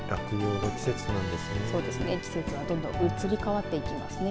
季節はどんどん移り変わってきますね。